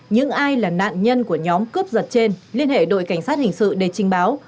những ai là nạn nhân của nhóm cướp giật trên liên hệ đội cảnh sát hình sự để trình báo